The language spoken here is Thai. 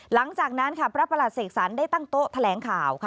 หลังจากนั้นค่ะพระประหลัดเสกสรรได้ตั้งโต๊ะแถลงข่าวค่ะ